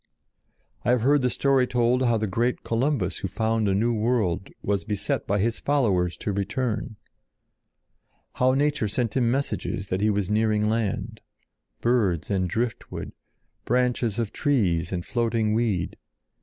I have heard the story told how the great Columbus who found a new world was beset by his followers to return. How nature sent him messages that he was nearing land—birds and driftwood, branches of trees and floating weed.